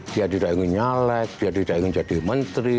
dia tidak ingin nyalek dia tidak ingin jadi menteri